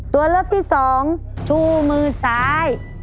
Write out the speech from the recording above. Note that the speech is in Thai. ตัวเลือกที่สองชูมือซ้าย